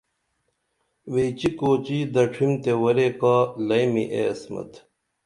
ویچی کوچی دڇِھمتے ورے کا لئمی اے عصمت